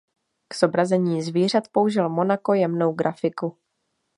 K zobrazení zvířat použil Monaco jemnou grafiku.